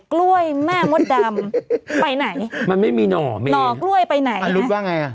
กล้วยแม่มดดำไปไหนมันไม่มีหน่อมีหน่อกล้วยไปไหนอรุณว่าไงอ่ะ